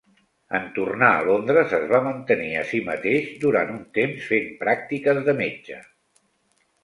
En tornar a Londres es va mantenir a si mateix durant un temps fent pràctiques de metge.